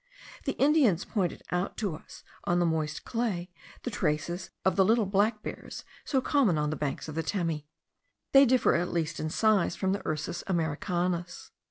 The Indians pointed out to us on the moist clay the traces of the little black bears so common on the banks of the Temi. They differ at least in size from the Ursus americanus.